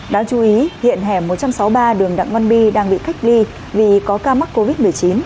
đáng chú ý hiện hẻm một trăm sáu mươi ba đường đặng văn my đang bị cách ly vì có ca mắc covid một mươi chín